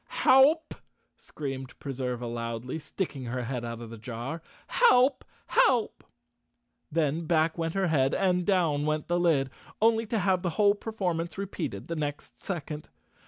"Help!" screamed Preserva loudly, sticking her head out of the jar. "Help! Help!" Then back went her head and down went the lid, only to have the whole performance repeated the next second.